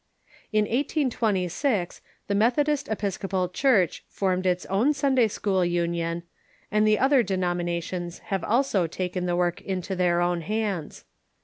In 1826 the Methodist Episcopal Church formed its own Sunday school Union, and the other denominations have also taken the work into their own hands.